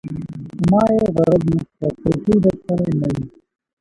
په ما يې غرض نشته که روپۍ درسره نه وي.